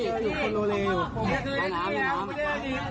ยังไงเดิมแล้วพี่ดังนี้ก่อนสาหรามสาหราม